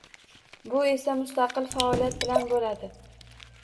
Bu esa mustaqil faoliyat bilan bo‘ladi.